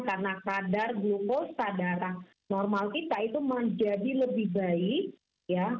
karena kadar glukosa darah normal kita itu menjadi lebih baik ya